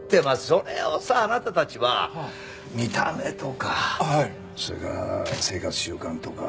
それをさあなたたちは見た目とかそれから生活習慣とか。